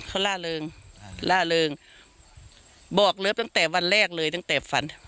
เขาล่าเริงอ่าล่าเริงบอกเลิฟตั้งแต่วันแรกเลยตั้งแต่ฝัน